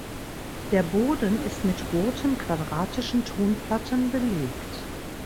Der Boden ist mit roten quadratischen Tonplatten belegt.